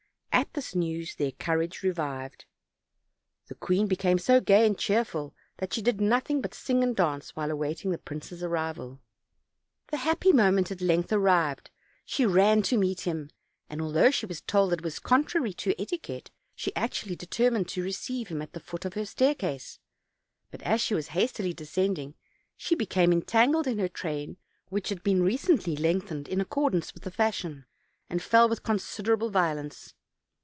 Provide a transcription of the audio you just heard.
At this news their courage revived. The queen became so gay and cheerful that she did nothing but sing and dance while awaiting the prince's arrival. The happy moment at length arrived; she ran to meet him, and although she was told that it was contrary to etiquette, she actually determined to receive him at the foot of her staircase! but as she was hastily descending she became entangled in her train, which had been recently lengthened in ac cordance with the fashion, and fell with considerable vio lence.